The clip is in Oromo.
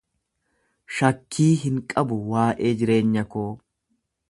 Shakkii hin qabu waa'ee jireenya koo